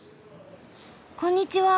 こんにちは。